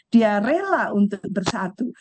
dia rela untuk bersatu